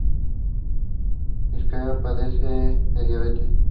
Fischer padece de diabetes.